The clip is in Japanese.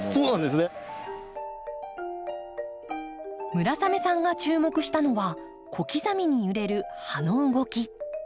村雨さんが注目したのは小刻みに揺れる葉の動き。